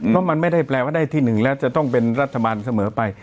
เพราะมันไม่ได้แปลว่าได้ที่๑แล้วจะต้องเป็นรัฐบาลเสมอไป